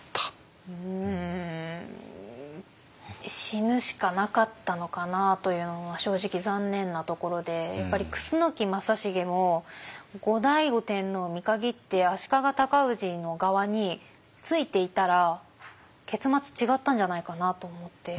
死ぬしかなかったのかなというのは正直残念なところでやっぱり楠木正成も後醍醐天皇を見限って足利尊氏の側についていたら結末違ったんじゃないかなと思って。